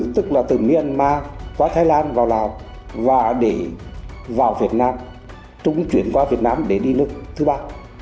tức là từ myanmar qua thái lan vào lào và để vào việt nam chúng chuyển qua việt nam để đi nước thứ ba